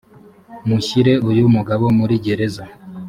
mushyire uyu mugabo muri gereza